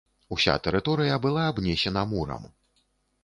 Уся тэрыторыя была абнесена мурам.